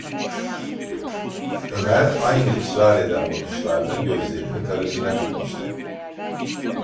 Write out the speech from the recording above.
Ömer aynı ısrar eden bakışlarla gözlerini karısına dikmişti.